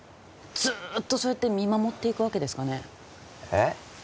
ずっとそうやって見守っていくわけですかねえっ？